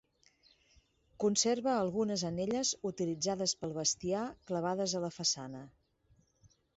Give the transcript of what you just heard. Conserva algunes anelles utilitzades per al bestiar clavades a la façana.